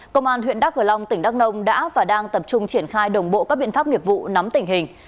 công an huyện đắk cờ long tỉnh đắk nông đã và đang tập trung triển khai đồng bộ các biện pháp nghiệp vụ nắm tình hình